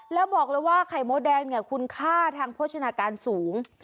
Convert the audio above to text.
แล้วบอกเลยว่าไข่มดแดงเนี่ยคุณค่าทางโภชนาการสูง